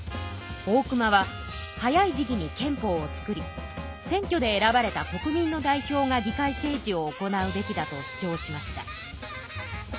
大隈は早い時期に憲法を作り選挙で選ばれた国民の代表が議会政治を行うべきだと主張しました。